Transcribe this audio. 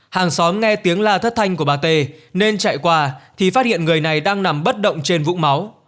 hàng xóm nghe tiếng la thất thanh của bà tê nên chạy qua thì phát hiện người này đang nằm bất động trên vũ máu